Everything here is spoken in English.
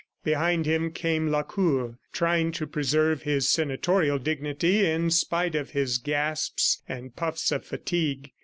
Behind him came Lacour trying to preserve his senatorial dignity in spite of his gasps and puffs of fatigue.